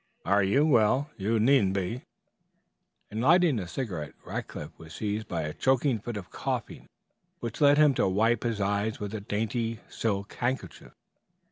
"Are you? Well, you needn't be." In lighting the cigarette Rackliff was seized by a choking fit of coughing, which led him to wipe his eyes with a dainty silk handkerchief.